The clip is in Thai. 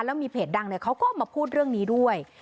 แล้วมีเพจดังเขาก็มาพูดเรื่องนี้ด้วย